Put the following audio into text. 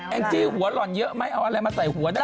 งจี้หัวหล่อนเยอะไหมเอาอะไรมาใส่หัวได้